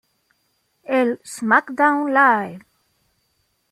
El SmackDown Live!